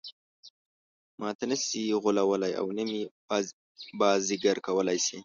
ماته نه شي غولولای او نه مې بازيګر کولای شي.